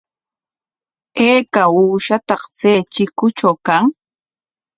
¿Ayka uushataq chay chikutraw kan?